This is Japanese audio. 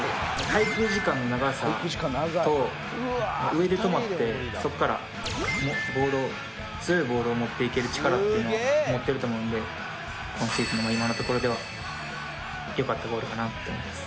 滞空時間の長さと上で止まってそこからボールを強いボールを持っていける力っていうのは持ってると思うので今シーズンの今のところではよかったゴールかなって思います。